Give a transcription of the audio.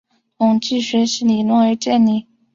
统计学习理论而建立。